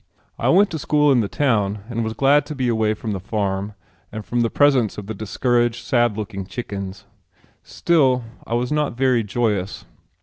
I went to school in the town and was glad to be away from the farm and from the presence of the discouraged, sad looking chickens. Still I was not very joyous.